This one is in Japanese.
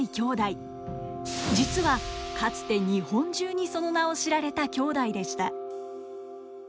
実はかつて日本中にその名を知られた兄弟でした。